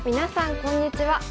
こんにちは。